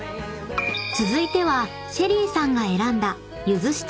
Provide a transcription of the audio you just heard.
［続いてはＳＨＥＬＬＹさんが選んだ］